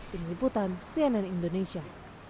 pemiliputan cnn indonesia